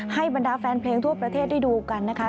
บรรดาแฟนเพลงทั่วประเทศได้ดูกันนะคะ